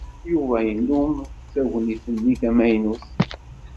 Yuba yennum tagnit-nni tamaynut.